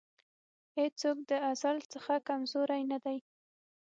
هېڅوک د ازل څخه کمزوری نه دی.